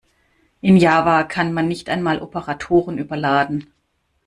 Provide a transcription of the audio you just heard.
In Java kann man nicht einmal Operatoren überladen.